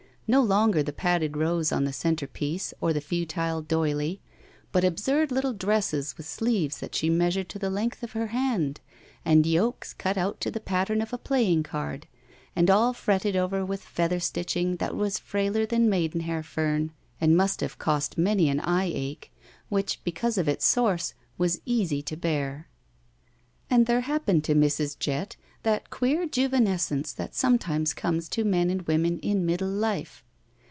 No longer the padded rose on the centerpiece or the futile doily, but absurd little dresses with sleeves that she measured to the length of her hand, and yokes cut out to the pattern of a playing card, and all fretted over with feather stitching that was frailer than maidenhair fern and must have cost many an eye ache, which, because of its source, was easy to b^ir. And there happened to Mrs. Jett that que^ juvenescence that sometimes comes to men and women in middle life.